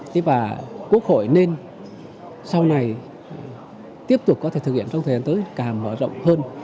thế và quốc hội nên sau này tiếp tục có thể thực hiện trong thời gian tới càng mở rộng hơn